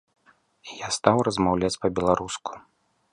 І я стаў размаўляць па-беларуску.